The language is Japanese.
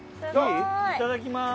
いただきまーす。